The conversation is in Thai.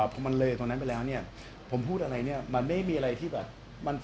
พอมันเลยตรงนั้นไปแล้วเนี่ยผมพูดอะไรเนี่ยมันไม่มีอะไรที่แบบ